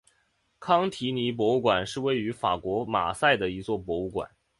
康提尼博物馆是位于法国马赛的一座博物馆。